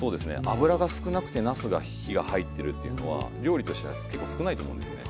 油が少なくてなすが火が入ってるっていうのは料理としては結構少ないと思うんですね。